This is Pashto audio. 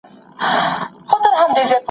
د قدرت کارول دلته بنسټيزه موضوع ده.